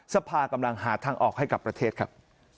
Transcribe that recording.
สภากำลังหาทางออกให้กับประเทศครับ